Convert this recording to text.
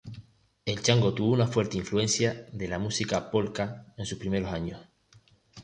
El Chango tuvo una fuerte influencia de la música polka en sus primeros años.